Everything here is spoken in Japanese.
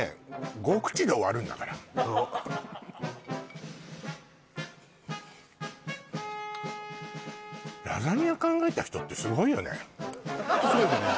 ５口で終わるんだからそうラザニア考えた人ってすごいよねホントすごいですよね